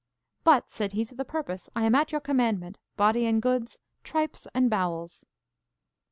But, said he, to the purpose. I am at your commandment, body and goods, tripes and bowels.